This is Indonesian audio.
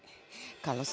aku mau pergi ke rumah